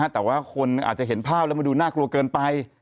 แต่ว่าคนอาจจะเห็นภาพแล้วมันดูน่ากลัวเกินไป